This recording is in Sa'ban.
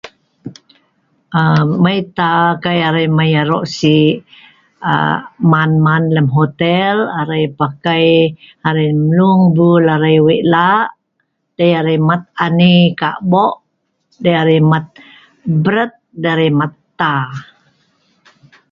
aaa mai tah kai arai mai aro' si aa man-man lem hotel, arai pakai, arai mlung bul arai wei' lah' dei arai man ani kabo', dei arai mat bret, dei arai mat 'taa.